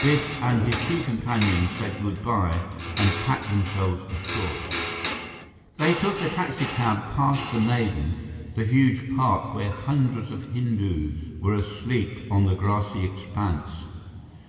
Biff and his two companions said good by and packed themselves ashore. They took a taxicab past the Maidan, the huge park where hundreds of Hindus were asleep on the grassy expanse.